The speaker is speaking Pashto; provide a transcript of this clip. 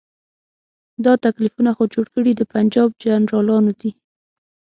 دا تکلیفونه خو جوړ کړي د پنجاب جرنیلانو دي.